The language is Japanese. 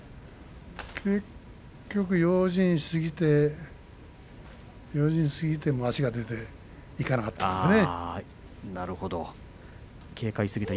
結局用心しすぎて足が出ていかなかったんですね。